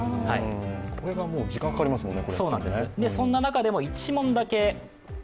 これがもう、時間かかりますもんね。